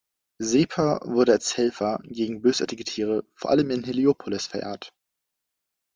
Sepa wurde als Helfer gegen bösartige Tiere vor allem in Heliopolis verehrt.